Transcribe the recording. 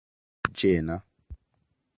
ĝena